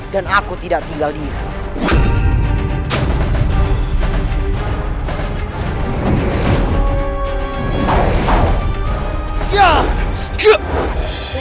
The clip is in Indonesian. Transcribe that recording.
dan aku tidak tinggal di sini